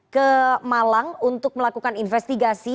ke malang untuk melakukan investigasi